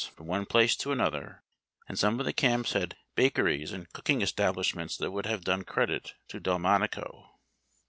from one place to another, and some of the camps had liaker ies and cooking establishments that would liave done credit to Delmonico."